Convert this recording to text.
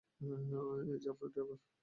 এইযে আপনার ড্রাইভার।